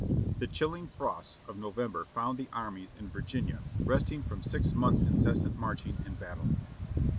The chilling frosts of November found the armies in Virginia resting from six months' incessant marching and battling.